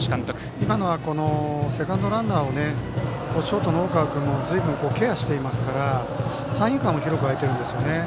今のはセカンドランナーをショートの大川君もずいぶんケアしていますから三遊間は広く空いているんですよね。